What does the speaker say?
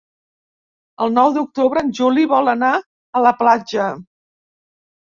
El nou d'octubre en Juli vol anar a la platja.